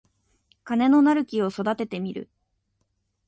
金のなる木を育ててみる